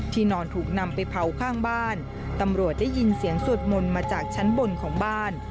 นอนถูกนำไปเผาข้างบ้านตำรวจได้ยินเสียงสวดมนต์มาจากชั้นบนของบ้าน